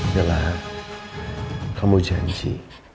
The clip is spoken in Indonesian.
ya allah kamu janji